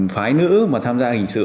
phái nữ mà tham gia hình sự